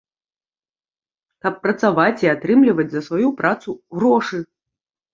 Каб працаваць і атрымліваць за сваю працу грошы.